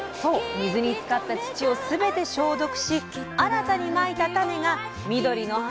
水につかった土を全て消毒し新たにまいた種が緑の葉を伸ばしています。